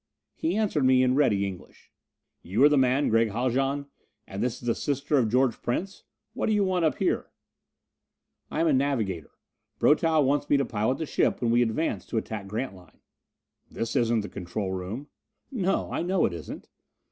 He answered me in ready English: "You are the man Gregg Haljan? And this is the sister of George Prince what do you want up here?" "I am a navigator. Brotow wants me to pilot the ship when we advance to attack Grantline." "This is not the control room." "No, I know it isn't."